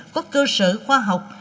có cơ sở khoa học